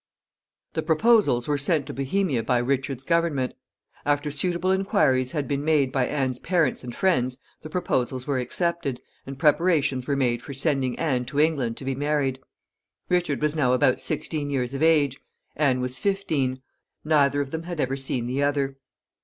The proposals were sent to Bohemia by Richard's government. After suitable inquiries had been made by Anne's parents and friends, the proposals were accepted, and preparations were made for sending Anne to England to be married. Richard was now about sixteen years of age. Anne was fifteen. Neither of them had ever seen the other.